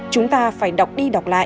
chúng ta phải đọc đi đọc lại